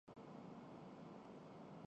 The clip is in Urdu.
وہ اس سے مختلف ہوتا ہے جو